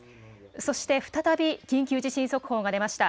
そして再び緊急地震速報が出ました。